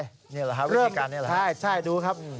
นี่แหละครับวิธีการนี้เหรอใช่ดูครับ